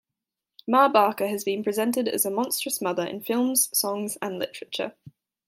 Ma Barker has been presented as a monstrous mother in films, songs and literature.